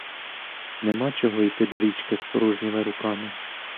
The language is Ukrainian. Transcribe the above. Нема чого йти до річки з порожніми руками.